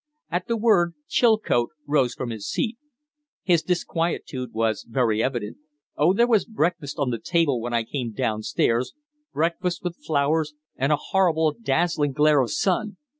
At the word Chilcote rose from his seat. His disquietude was very evident. "Oh, there was breakfast on the table when I came down stairs breakfast with flowers and a horrible, dazzling glare of sun.